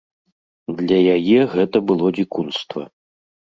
Для яе гэта было дзікунства.